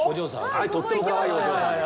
はい、とってもかわいいお嬢さんです。